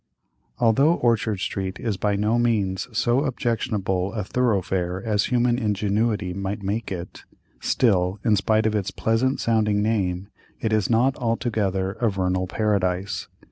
Although Orchard Street is by no means so objectionable a thoroughfare as human ingenuity might make it, still, in spite of its pleasant sounding name, it is not altogether a vernal paradise.